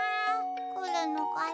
くるのかな？